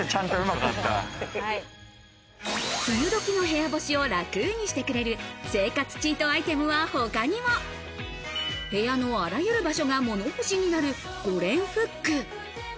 梅雨どきの部屋干しを楽にしてくれる生活チートアイテムは他にも。部屋のあらゆる場所が物干しになる５連フック。